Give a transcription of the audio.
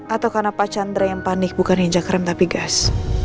atau karena pak chandra yang panik bukan hijak rem tapi gas